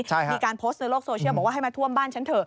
มีการโพสต์ในโลกโซเชียลบอกว่าให้มาท่วมบ้านฉันเถ